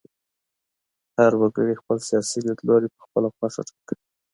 هر وګړي خپل سیاسي لوری په خپله خوښه ټاکه.